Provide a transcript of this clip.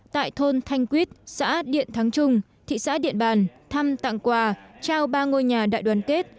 tại thôn thanh quyết xã điện thắng trung thị xã điện bàn thăm tặng quà trao ba ngôi nhà đại đoàn kết